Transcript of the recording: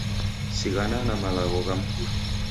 Sighana na malagho gha mngulu.